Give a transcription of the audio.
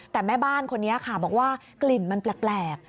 แต่แม่บ้านคนนี้ค่ะบอกว่ากลิ่นมันแปลก